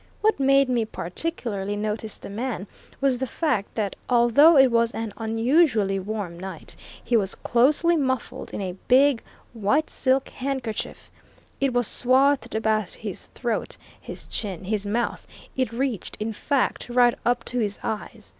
What made me particularly notice the man was the fact that although it was an unusually warm night, he was closely muffled in a big white silk handkerchief. It was swathed about his throat, his chin, his mouth; it reached, in fact, right up to his eyes.